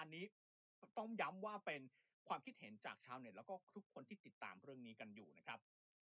อันนี้ก็ต้องย้ำว่าเป็นความคิดเห็นจากชาวเน็ตแล้วก็ทุกคนที่ติดตามเรื่องนี้กันอยู่นะครับ